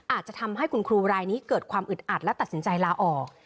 อาจจะทำให้คุณครูรายนี้เกิดความอึดอัดและตัดสินใจลาออก